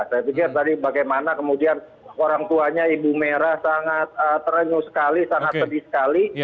saya pikir tadi bagaimana kemudian orang tuanya ibu merah sangat terenyuh sekali sangat sedih sekali